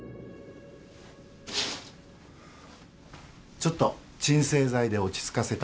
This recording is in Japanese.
・ちょっと鎮静剤で落ち着かせた。